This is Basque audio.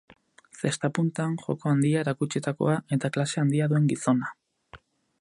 Zesta-puntan joko handia erakutsitakoa, eta klase handia duen gizona.